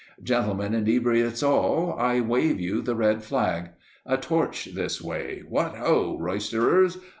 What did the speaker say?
Gentlemen inebriates all, I wave you the red flag! A torch this way! What ho! Roysterers!